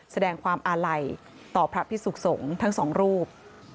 แสดงความอาลัยต่อพระพิสุขสงฆ์ทั้งสองรูป